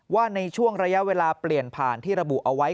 ว่าในช่วงระยะเวลาเปลี่ยนผ่านที่ระบุเอาไว้